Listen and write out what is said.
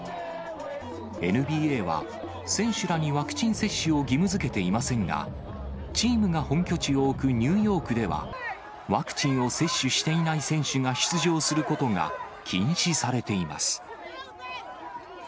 ＮＢＡは、選手らにワクチン接種を義務づけていませんが、チームが本拠地を置くニューヨークでは、ワクチンを接種していない選手が出場することが禁止されています。